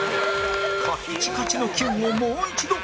カッチカチの『キュン』をもう一度